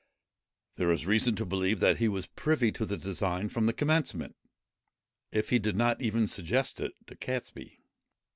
There is reason to believe that he was privy to the design from the commencement, if he did not even suggest it to Catesby.